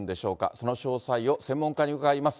その詳細を専門家に伺います。